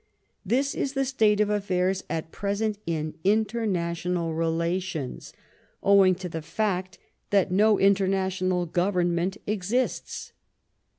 This is the state of affairs at present in international relations, owing to the fact that no international government exists.